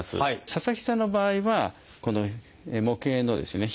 佐々木さんの場合はこの模型のですね